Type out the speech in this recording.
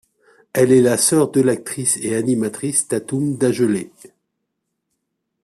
Elle est la sœur de l'actrice et animatrice Tatum Dagelet.